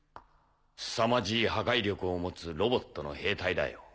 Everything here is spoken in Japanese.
すさまじい破壊力を持つロボットの兵隊だよ。